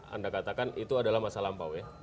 anda katakan itu adalah masa lampau ya